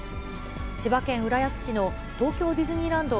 千葉県浦安市の東京ディズニーランド